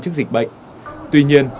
trước dịch bệnh tuy nhiên